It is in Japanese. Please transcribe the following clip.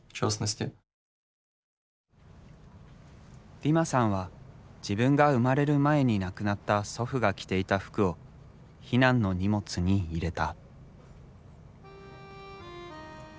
ディマさんは自分が生まれる前に亡くなった祖父が着ていた服を避難の荷物に入れた。